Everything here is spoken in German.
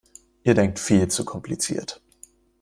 Ihr denkt viel zu kompliziert!